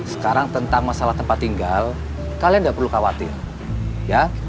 sekarang tentang masalah tempat tinggal kalian nggak perlu khawatir ya